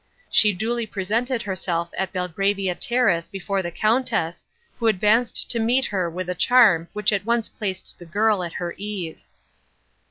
She duly presented herself at Belgravia Terrace before the Countess, who advanced to meet her with a charm which at once placed the girl at her ease.